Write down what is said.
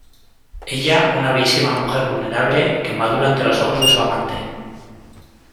Ella, una bellísima mujer vulnerable, que madura ante los ojos de su amante.